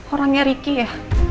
orangnya ricky ya